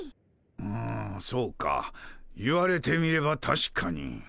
うぬそうか言われてみればたしかに。